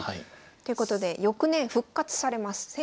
ということで翌年復活されます。